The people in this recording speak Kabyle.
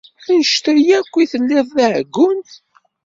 Annect-a akk i telliḍ d aɛeggun?